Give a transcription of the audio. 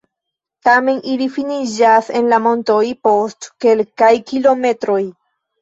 Tamen ili finiĝas en la montoj post kelkaj kilometroj.